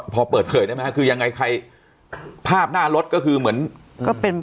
พอเปิดเผยได้ไหมฮะคือยังไงใครภาพหน้ารถก็คือเหมือนก็เป็น